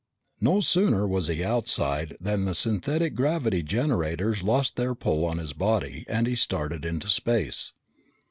No sooner was he outside than the synthetic gravity generators lost their pull on his body and he started into space.